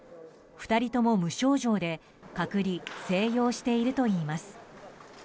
２人とも無症状で隔離・静養しているといいます。